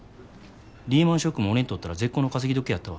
リーマンショックも俺にとったら絶好の稼ぎ時やったわ。